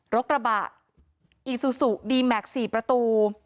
รถกระบะอีซูซูดีแม็กซ์๔ประตู